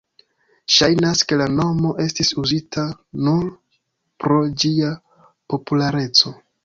Ŝajnas, ke la nomo estis uzita nur pro ĝia populareco.